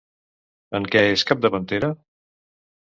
En què és capdavantera?